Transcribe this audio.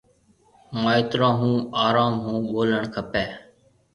مائيترون هون آروم هون ٻولڻ کپيَ۔